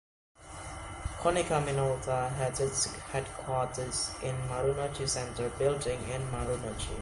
Konica Minolta has its headquarters in the Marunouchi Center Building in Marunouchi.